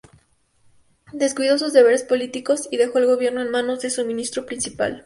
Descuidó sus deberes políticos y dejó el gobierno en manos de su ministro principal.